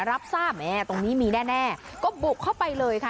รับทราบแม่ตรงนี้มีแน่ก็บุกเข้าไปเลยค่ะ